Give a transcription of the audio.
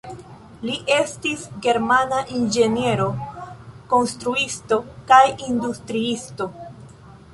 Li estis germana inĝeniero, konstruisto kaj industriisto.